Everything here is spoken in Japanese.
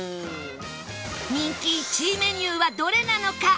人気１位メニューはどれなのか？